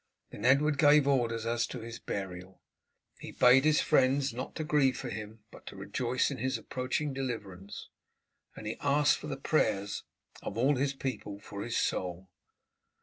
Then Edward gave orders as to his burial. He bade his friends not to grieve for him, but to rejoice in his approaching deliverance, and he asked for the prayers of all his people for his soul.